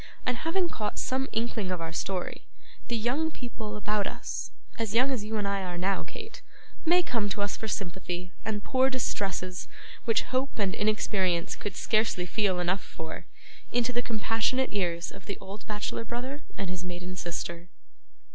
And having caught some inkling of our story, the young people about us as young as you and I are now, Kate may come to us for sympathy, and pour distresses which hope and inexperience could scarcely feel enough for, into the compassionate ears of the old bachelor brother and his maiden sister.